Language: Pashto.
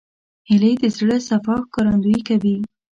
هیلۍ د زړه صفا ښکارندویي کوي